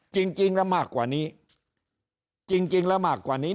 จริงแล้วมากกว่านี้จริงแล้วมากกว่านี้